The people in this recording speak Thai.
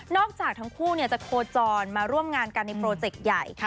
จากทั้งคู่จะโคจรมาร่วมงานกันในโปรเจกต์ใหญ่ค่ะ